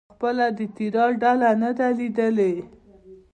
ما پخپله د تیراه ډله نه ده لیدلې.